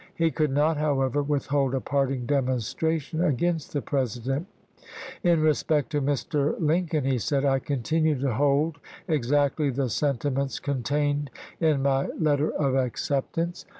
He could not, however, withhold a parting demonstration against the President. "In respect to Mr. Lin sept. 21. coin," he said, "I continue to hold exactly the sentiments contained in my letter of acceptance.